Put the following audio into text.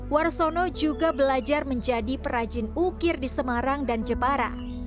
warsono juga belajar menjadi perajin ukir di semarang dan jepara